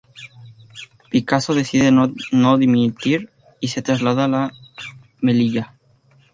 Picasso decide no dimitir y se traslada a Melilla.